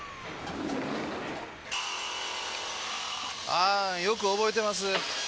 ああよく覚えてます。